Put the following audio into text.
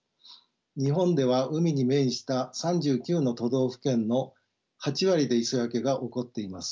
日本では海に面した３９の都道府県の８割で磯焼けが起こっています。